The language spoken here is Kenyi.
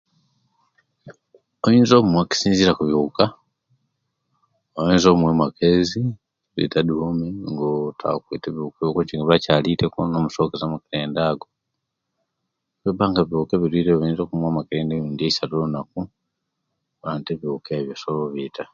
Oyinza okumuwa kisinzirira kubiwuka oyinza omuwa amakezi ekyebeta deworming nga okwete ebiwuka oba ekyeleta amakerenda ago owobanga biwuka ebirwire osobola okumuwa amakerenda emirundi eisatu okwita ebiwuka ebyo